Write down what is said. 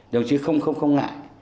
đồng chí không không không ngại